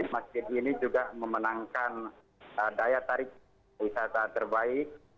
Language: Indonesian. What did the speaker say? masjid ini juga memenangkan daya tarik wisata terbaik